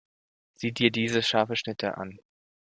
Sieh dir diese scharfe Schnitte an!